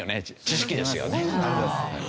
知識ですよね。